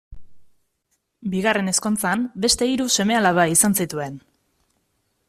Bigarren ezkontzan beste hiru seme-alaba izan zituen.